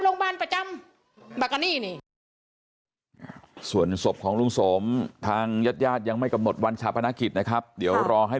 แล้วที่ผ่านมาเราก็หนักใจกับเขา